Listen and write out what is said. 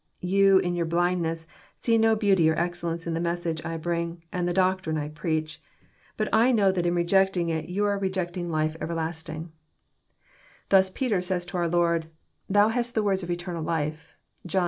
You, in your blindness, see no beauty or excellence in the message I bring, and the doctrine I preach. But I know that in rejecting it you are rejecting lifo 382 EXFOSITOBT THOUGHTS. everlasting. — ^Thas Peter says to our Lord, "Thou hast the words of eternal life, (John vl.